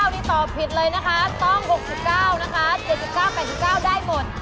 นี่ตอบผิดเลยนะคะต้อง๖๙นะคะ๗๙๘๙ได้หมด